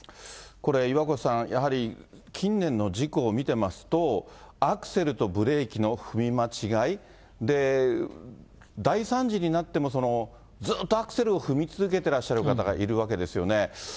これ、岩越さん、やはり近年の事故を見てますと、アクセルとブレーキの踏み間違い、大惨事になっても、ずっとアクセルを踏み続けてらっしゃる方がいるわけですよね。